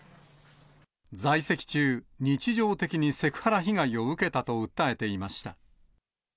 在籍中、日常的にセクハラ被害を受けたと訴えていました。